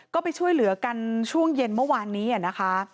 ก็ไปช่วยเหลือกันช่วงเย็นเมื่อวานนี้นะคะ